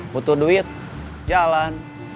butuh duit jalan